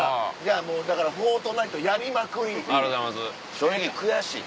正直悔しい。